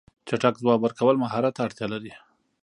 چټک ځواب ورکول مهارت ته اړتیا لري.